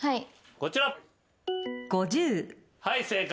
こちら。